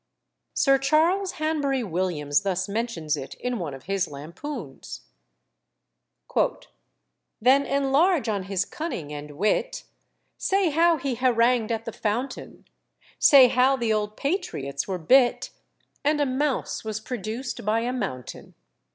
Sir Charles Hanbury Williams thus mentions it in one of his lampoons: "Then enlarge on his cunning and wit, Say how he harangued at the Fountain, Say how the old patriots were bit, And a mouse was produced by a mountain."